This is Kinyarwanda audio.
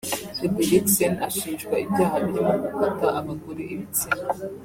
Frederiksen ashinjwa ibyaha birimo gukata abagore ibitsina